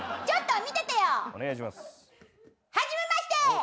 ちょっと見ててよ。